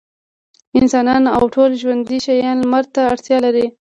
انسانان او ټول ژوندي شيان لمر ته اړتيا لري.